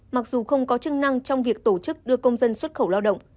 mặc dù không có chức năng trong việc tổ chức đưa công dân xuất khẩu lao động